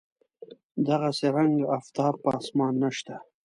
دغه هسې رنګ آفتاب په اسمان نشته.